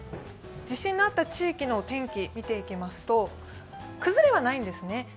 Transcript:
地震のあった地域の天気を見ていきますと崩れはないんですね。